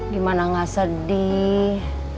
gimana gak sedih